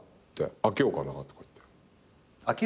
「あけようかな」って言って。